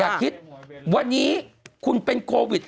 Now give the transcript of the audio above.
อย่าคิดวันนี้คุณเป็นโควิด